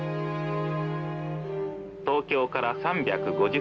「東京から３５０キロ。